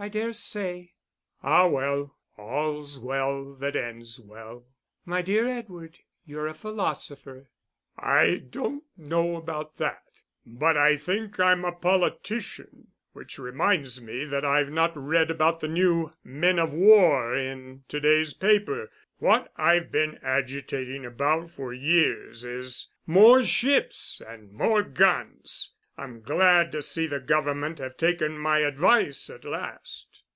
"I dare say." "Ah, well all's well that ends well." "My dear Edward, you're a philosopher." "I don't know about that but I think I'm a politician; which reminds me that I've not read about the new men of war in to day's paper. What I've been agitating about for years is more ships and more guns I'm glad to see the Government have taken my advice at last."